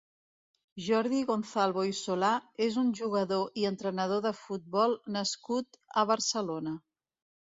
Jordi Gonzalvo i Solà és un jugador i entrenador de futbol nascut a Barcelona.